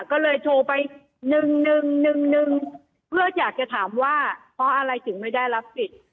ก็เลยโทรไป๑๑๑๑๑๑เพื่ออยากจะถามว่าเพราะอะไรถึงไม่ได้รับสิทธิ์